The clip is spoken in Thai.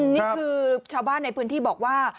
นี่คือชาวบ้านในพื้นที่บอกว่า